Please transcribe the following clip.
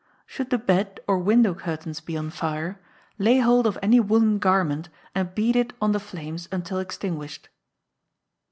Should the Bed or Window Curtains be on fire, lay hold of any woollen garment, and beat it on the flames until extinguished.